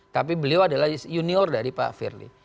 tapi beliau adalah junior dari pak firly